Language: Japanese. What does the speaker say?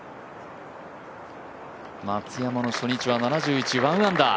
松山の初日は７１、１アンダー。